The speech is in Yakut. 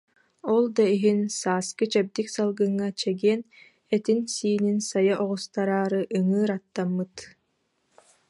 Ол да иһин, сааскы чэбдик салгыҥҥа чэгиэн этинсиинин сайа оҕустараары ыҥыыр аттаммыт